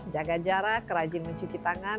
jaga jarak rajin mencuci tangan